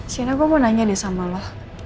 sianah aku mau nanya deh sama lo